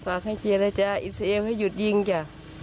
ฝากให้เจรจาอิสราเอลให้หยุดยิงจ้ะ